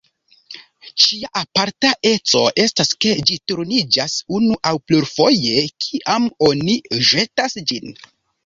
Ĝia aparta eco estas ke ĝi turniĝas unu aŭ plurfoje kiam oni ĵetas ĝin.